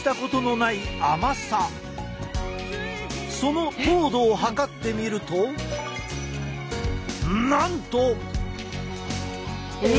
その糖度を測ってみるとなんと。え！